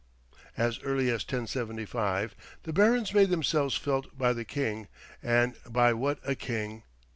As early as 1075, the barons made themselves felt by the king and by what a king!